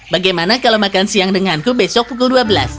bagaimana kalau makan siang denganku besok pukul dua belas